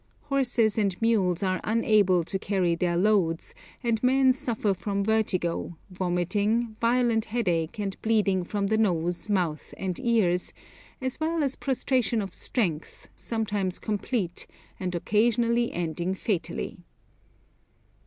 Horses and mules are unable to carry their loads, and men suffer from vertigo, vomiting, violent headache and bleeding from the nose, mouth, and ears, as well as prostration of strength, sometimes complete, and occasionally ending fatally.